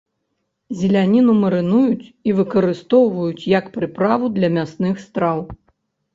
Зеляніну марынуюць і выкарыстоўваюць як прыправу для мясных страў.